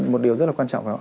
một điều rất là quan trọng